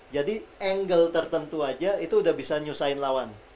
jadi angle tertentu aja itu udah bisa nyusahin lawan